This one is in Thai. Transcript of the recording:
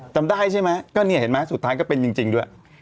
จำได้ใช่ไหมก็เนี่ยเห็นไหมสุดท้ายก็เป็นจริงด้วย